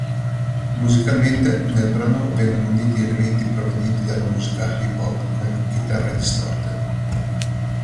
Musicalmente, nel brano vengono uniti elementi provenienti dalla musica hip hop con chitarre distorte.